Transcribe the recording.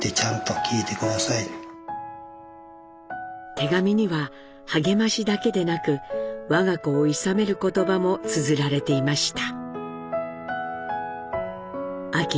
手紙には励ましだけでなく我が子をいさめる言葉もつづられていました。